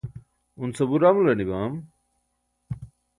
un sabuur amular nibam?